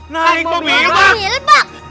naik mobil bak